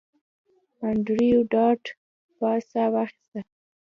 انډریو ډاټ باس ساه واخیسته